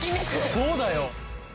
そうだよ。